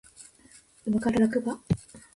馬から落馬